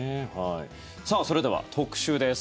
それでは特集です。